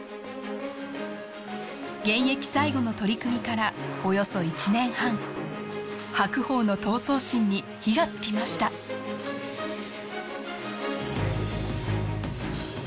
現役最後の取組からおよそ１年半白鵬の闘争心に火がつきましたお願いします